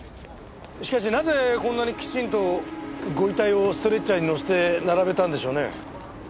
しかしなぜこんなにきちんとご遺体をストレッチャーに乗せて並べたんでしょうね？